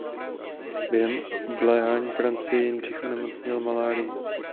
Během obléhání Florencie Jindřich onemocněl malárií.